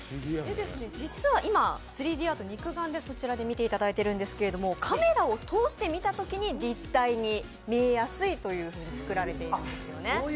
実は３Ｄアートを肉眼で見ていただいていますけれどもカメラを通してみたときに立体に見えやすいというふうに作られているんですね。